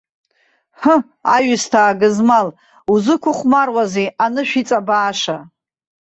Ҳы, аҩсҭаа гызмал, узықәхәмаруази, анышә иҵабааша?!